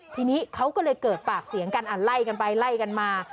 ทีนี้เขาก็เลยเกิดปากเสียงกันไล่กันไปไล่กันมา